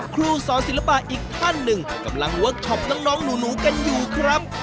ครูสอนศิลปะอีกท่านหนึ่งกำลังเวิร์คชอปน้องหนูกันอยู่ครับ